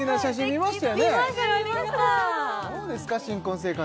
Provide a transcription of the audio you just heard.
見ましたどうですか新婚生活？